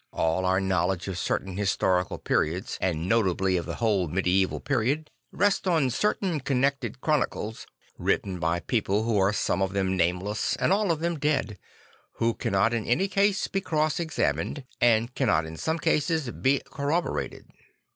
All our knowledge of certain historical periods, and notably of the whole medieval period, rests on certain connected chronicles written by people who are some of them nameless and all of them dead, who cannot in any case be cross examined and cannot in some cases be corro borated.